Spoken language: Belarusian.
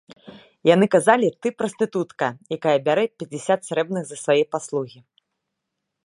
Яны казалі, ты — прастытутка, якая бярэ пяцьдзясят срэбных за свае паслугі.